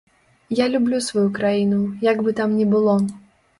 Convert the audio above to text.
Я люблю сваю краіну, як бы там ні было.